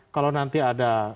kalau nanti ada genggaman